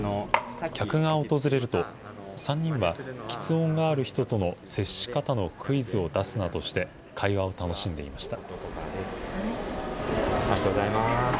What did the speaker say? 客が訪れると、３人はきつ音がある人との接し方のクイズを出すなどして、会話を楽しんでいました。